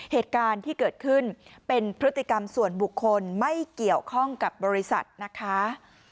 เหตุการณ์ที่เกิดขึ้นเป็นพฤติกรรมส่วนบุคคลไม่เกี่ยวข้องกับบริษัทนะคะ